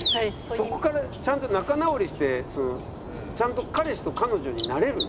そこからちゃんと仲直りしてちゃんと彼氏と彼女になれるの？